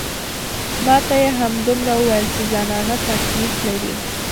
ما ته يې همدومره وويل چې زنانه تکليف لري.